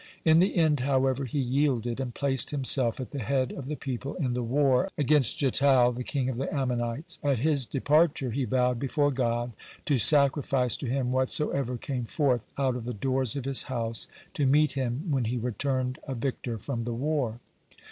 In the end, however, he yielded, and placed himself at the head of the people in the war against Getal, the king of the Ammonites. At his departure, he vowed before God to sacrifice to Him whatsoever came forth out of the doors of his house to meet him when he returned a victor from the war.